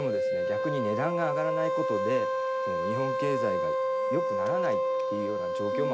逆に値段が上がらないことで日本経済がよくならないっていうような状況もあったんです。